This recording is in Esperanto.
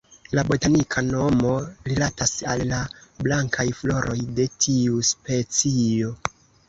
La botanika nomo rilatas al la blankaj floroj de tiu specio.